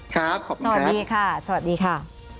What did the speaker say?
ครับขอบคุณครับสวัสดีค่ะสวัสดีค่ะ